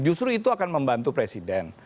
justru itu akan membantu presiden